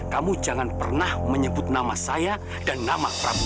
kamu jangan pernah nyebut nama saya dan nama pak sells